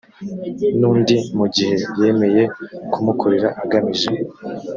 n undi mu gihe yemeye kumukorera agamije